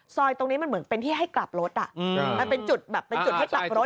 ซอยตรงนี้มันเหมือนเป็นที่ให้กลับรถมันเป็นจุดแบบเป็นจุดให้กลับรถ